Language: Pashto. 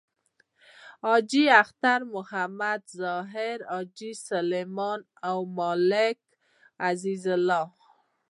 حاجی اختر محمد طاهري، حاجی سلیمان او ملک عزیز الله…